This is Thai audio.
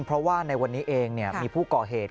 เพราะว่าในวันนี้เองมีผู้ก่อเหตุ